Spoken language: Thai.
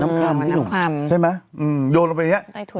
น้ำคำน้ำคำใช่ไหมอืมโดนลงไปดังนี้ใต้ถูกตาย